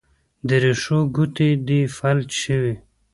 د رېښو ګوتې دې فلج شوي